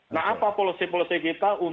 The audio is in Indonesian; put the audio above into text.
nah apa polisi polisi kita untuk mendapatkan